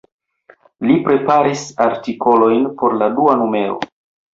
Li preparis artikolojn por la dua numero.